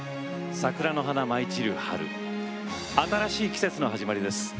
桜の花舞い散る春新しい季節の始まりです。